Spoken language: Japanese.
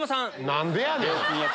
何でやねん！